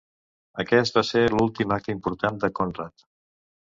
Aquest va ser l'últim acte important de Konrad.